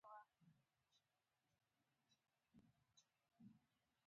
د برېټانیا صنعتي انقلاب سره نړیواله نابرابري زیاته شوه.